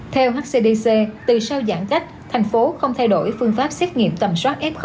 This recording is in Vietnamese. theo hcdc từ sau giãn cách thành phố không thay đổi phương pháp xét nghiệm tầm soát f